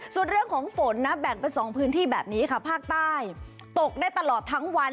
ส่วนเรื่องของฝนนะแบ่งเป็น๒พื้นที่แบบนี้ค่ะภาคใต้ตกได้ตลอดทั้งวัน